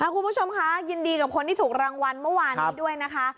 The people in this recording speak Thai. คุณผู้ชมคะยินดีกับคนที่ถูกรางวัลเมื่อวานนี้ด้วยนะคะ